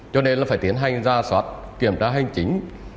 cho nên là phải tiến hành ra soát kiểm tra hành chính